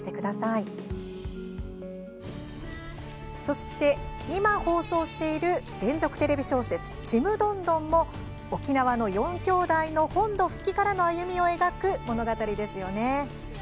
そして今、放送している連続テレビ小説「ちむどんどん」も沖縄の４きょうだいの本土復帰からの歩みを描く物語ですよね。